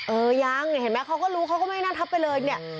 เออยังเนี่ยเห็นไหมเขาก็รู้เขาก็ไม่น่าทับไปเลยเนี่ย